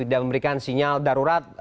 tidak memberikan sinyal darurat